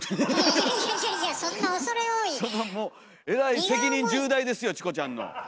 えらい責任重大ですよチコちゃんの。